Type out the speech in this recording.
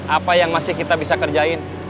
apa yang masih kita bisa kerjain